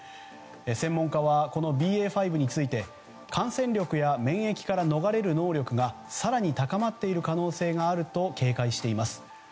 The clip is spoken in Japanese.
専門家はこのＢＡ．５について感染力や免疫から逃れる能力が更に高まっている可能性があると警戒しています。